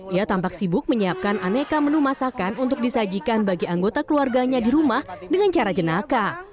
ia tampak sibuk menyiapkan aneka menu masakan untuk disajikan bagi anggota keluarganya di rumah dengan cara jenaka